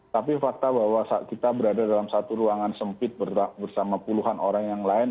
tapi fakta bahwa saat kita berada dalam satu ruangan sempit bersama puluhan orang yang lain